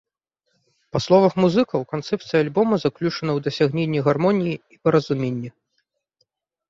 Па словах музыкаў, канцэпцыя альбома заключана ў дасягненні гармоніі і паразуменні.